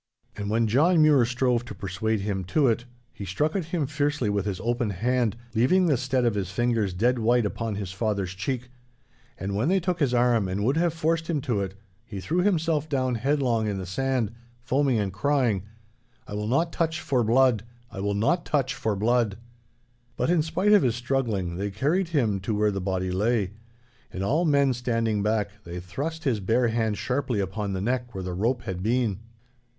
And when John Mure strove to persuade him to it, he struck at him fiercely with his open hand, leaving the stead of his fingers dead white upon his father's cheek. And when they took his arm and would have forced him to it, he threw himself down headlong in the sand, foaming and crying, 'I will not touch for blood! I will not touch for blood!' But in spite of his struggling they carried him to where the body lay. And, all men standing back, they thrust his bare hand sharply upon the neck where the rope had been.